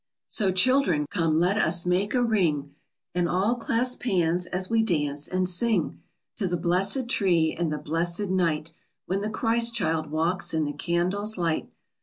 _So, children, come, let us make a ring And all clasp hands as we dance and sing To the blessed tree and the blessed night When the Christ child walks in the candles' light!